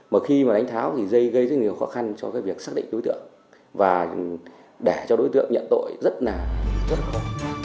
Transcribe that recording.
mà khi mà đánh tháo thì dây gây rất nhiều khó khăn cho cái việc xác định đối tượng và để cho đối tượng nhận tội rất là khó